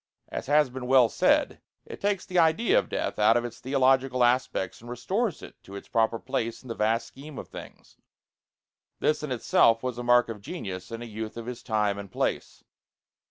As has been well said, "it takes the idea of death out of its theological aspects and restores it to its proper place in the vast scheme of things. This in itself was a mark of genius in a youth of his time and place."